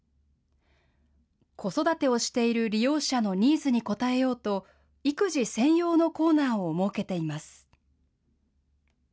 子育てをしている利用者のニーズに応えようと、育児専用のコーナーを設けています。